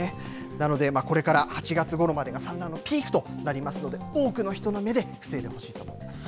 なので、これから、８月ごろまでが産卵のピークとなりますので、多くの人の目で防いでほしいと思います。